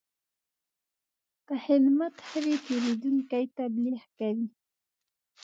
که خدمت ښه وي، پیرودونکی تبلیغ کوي.